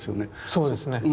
そうですね。